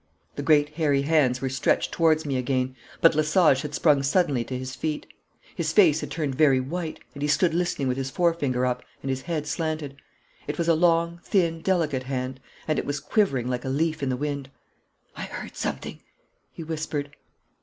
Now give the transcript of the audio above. The great hairy hands were stretched towards me again, but Lesage had sprung suddenly to his feet. His face had turned very white, and he stood listening with his forefinger up and his head slanted. It was a long, thin, delicate hand, and it was quivering like a leaf in the wind. 'I heard something,' he whispered.